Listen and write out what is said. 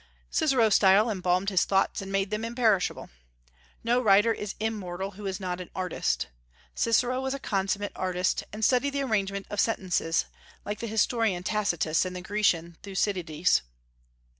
Cicero's style embalmed his thoughts and made them imperishable. No writer is immortal who is not an artist; Cicero was a consummate artist, and studied the arrangement of sentences, like the historian Tacitus and the Grecian Thucydides.